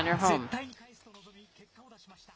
絶対に返すと臨み、結果を出しました。